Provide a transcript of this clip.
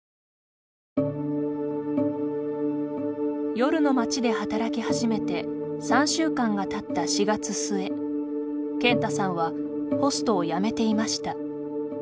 夜の街で働き始めて３週間がたった４月末健太さんはホストを辞めていました。